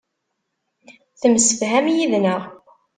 Temsefham yid-neɣ.